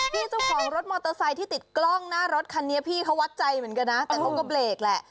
พี่เจ้าของรถมอเตอร์ไซค์ที่ติดกล้องหน้ารถคันนี้พี่เขาวัดใจเหมือนกันนะแต่เขาก็เบรกแหละ